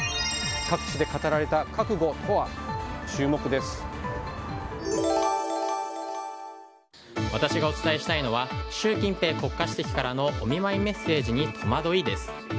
各地で語られた覚悟とは私がお伝えしたいのは習近平国家主席からのお見舞いメッセージに戸惑いです。